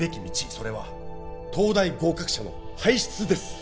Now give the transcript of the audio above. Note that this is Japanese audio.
それは東大合格者の輩出です